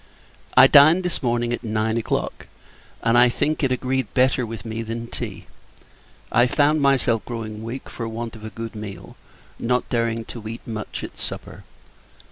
I dined, this morning, at nine o'clock; and, I think, it agreed better with me than tea. I found myself growing weak, for want of a good meal, not daring to eat much at supper.